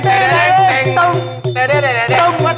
ตายแล้วตาย